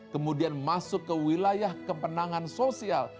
kemudian masuk ke wilayah kemenangan sosial